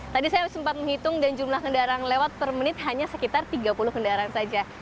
tadi saya sempat menghitung dan jumlah kendaraan lewat per menit hanya sekitar tiga puluh kendaraan saja